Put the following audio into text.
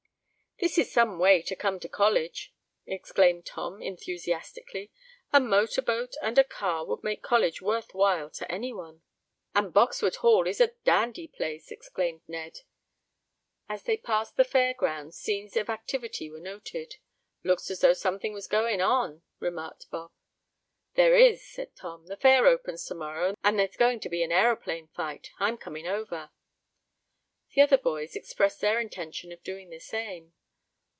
"This is some way to come to college!" exclaimed Tom, enthusiastically. "A motor boat and a car would make college worth while to anyone." "And Boxwood Hall is a dandy place!" exclaimed Ned. As they passed the fair grounds, scenes of activity were noted. "Looks as though something was going on," remarked Bob. "There is," said Tom. "The fair opens to morrow, and there's going to be an aeroplane flight. I'm coming over." The other boys expressed their intention of doing the same.